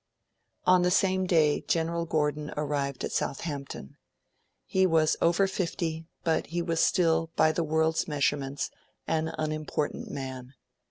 On the same day, General Gordon arrived at Southampton. He was over fifty, and he was still, by the world's measurements, an unimportant man.